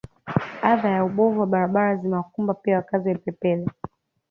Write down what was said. Adha ya ubovu wa barabara zimewakumba pia wakazi wa Ipepele